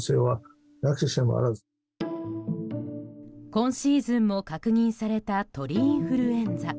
今シーズンも確認された鳥インフルエンザ。